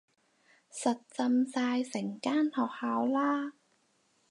實浸晒成間學校啦